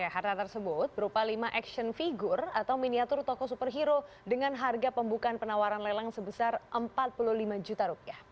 harta tersebut berupa lima action figure atau miniatur toko superhero dengan harga pembukaan penawaran lelang sebesar rp empat puluh lima juta